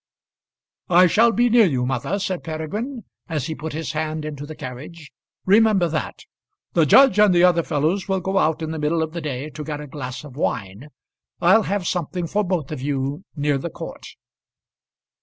"I shall be near you, mother," said Peregrine as he put his hand into the carriage; "remember that. The judge and the other fellows will go out in the middle of the day to get a glass of wine. I'll have something for both of you near the court."